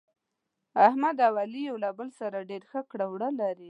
احمد او علي یو له بل سره ډېر ښه کړه وړه لري.